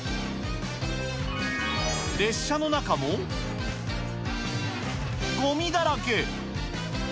列車の中も、ごみだらけ。